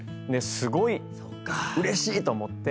すごいうれしいと思って。